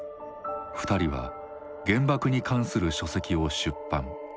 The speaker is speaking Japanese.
２人は原爆に関する書籍を出版。